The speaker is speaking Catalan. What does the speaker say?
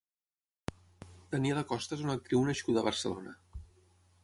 Daniela Costa és una actriu nascuda a Barcelona.